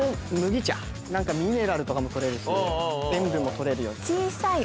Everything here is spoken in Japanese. ミネラルとかも取れるし塩分も取れるように。